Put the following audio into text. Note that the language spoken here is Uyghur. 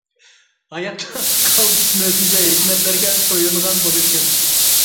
ھاياتلىق قالتىس مۆجىزە، ھېكمەتلەرگە تويۇنغان بولىدىكەن.